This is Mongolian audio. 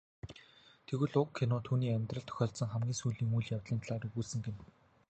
Тэгвэл уг кино түүний амьдралд тохиолдсон хамгийн сүүлийн үйл явдлын талаар өгүүлсэн гэнэ.